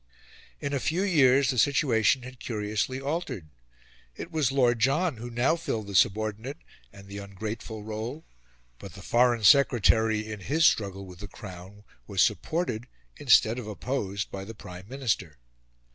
In a few years the situation had curiously altered. It was Lord John who now filled the subordinate and the ungrateful role; but the Foreign Secretary, in his struggle with the Crown, was supported, instead of opposed, by the Prime Minister.